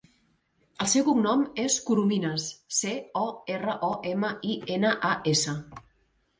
El seu cognom és Corominas: ce, o, erra, o, ema, i, ena, a, essa.